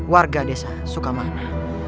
warga desa sukamana